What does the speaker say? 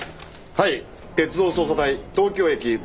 はい。